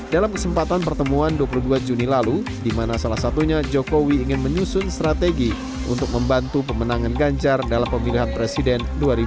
dalam kesempatan pertemuan dua puluh dua juni lalu di mana salah satunya jokowi ingin menyusun strategi untuk membantu pemenangan ganjar dalam pemilihan presiden dua ribu sembilan belas